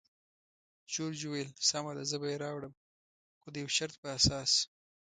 جورج وویل: سمه ده، زه به یې راوړم، خو د یو شرط پر اساس.